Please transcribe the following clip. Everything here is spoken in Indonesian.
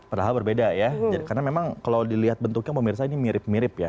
padahal berbeda ya karena memang kalau dilihat bentuknya pemirsa ini mirip mirip ya